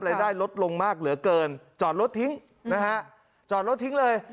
รายได้ลดลงมากเหลือเกินจอดรถทิ้งนะฮะจอดรถทิ้งเลย